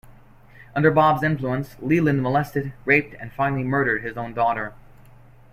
Under Bob's influence, Leland molested, raped, and finally murdered his own daughter.